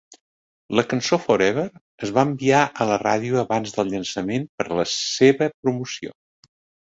La cançó Forever es va enviar a la ràdio abans del llançament per a la seva promoció.